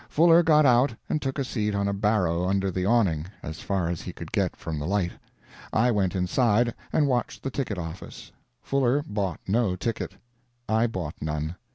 Fuller got out and took a seat on a barrow under the awning, as far as he could get from the light; I went inside, and watched the ticket office. Fuller bought no ticket; I bought none.